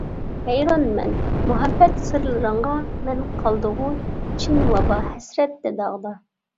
ھەيرانمەن مۇھەببەت سىرلىرىڭغا مەن، قالدىغۇ چىن ۋاپا ھەسرەتتە، داغدا.